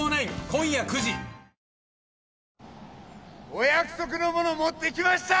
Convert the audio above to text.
お約束のもの持ってきました！